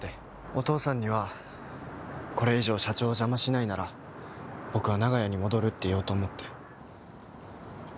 お父さんにはこれ以上社長を邪魔しないなら僕は長屋に戻るって言おうと思って。